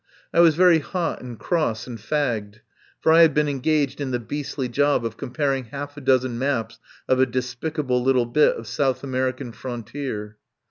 I was very hot and cross and fagged, for I had been engaged in the beastly job of comparing half a dozen maps of a despicable little bit of South Amer ican frontier.